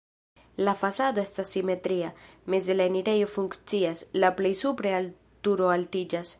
La fasado estas simetria, meze la enirejo funkcias, la plej supre al turo altiĝas.